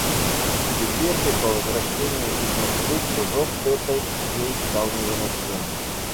Теперь же, по возвращении из Москвы, кружок этот ей стал невыносим.